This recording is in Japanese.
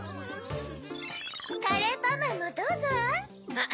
カレーパンマンもどうぞアン。